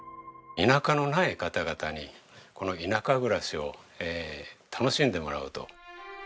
田舎のない方々にこの田舎暮らしを楽しんでもらおうと。